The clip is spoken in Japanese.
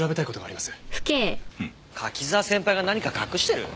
柿沢先輩が何か隠してる？